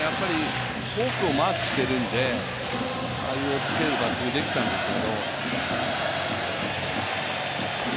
フォークをマークしているので、ああいうおっつけるバッティングができたんですけど。